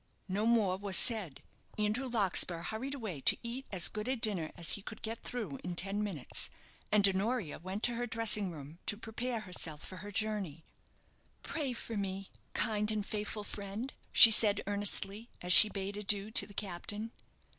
No more was said. Andrew Larkspur hurried away to eat as good a dinner as he could get through in ten minutes, and Honoria went to her dressing room to prepare herself for her journey. "Pray for me, kind and faithful friend," she said, earnestly, as she bade adieu to the captain.